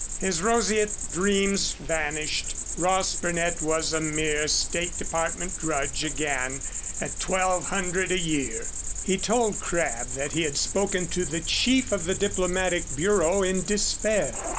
His roseate dreams vanished. Ross Burnett was a mere State Department drudge again at twelve hundred a year! He told Crabb that he had spoken to the chief of the diplomatic bureau in despair.